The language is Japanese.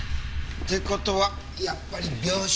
って事はやっぱり病死？